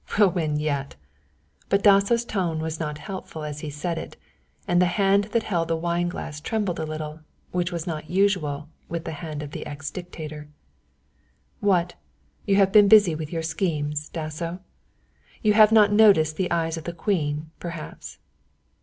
"Pshaw, we'll win yet." But Dasso's tone was not hopeful as he said it, and the hand that held the wineglass trembled a little, which was not usual with the hand of the ex dictator. "What! You have been busy with your schemes, Dasso; you have not noticed the eyes of the Queen, perhaps.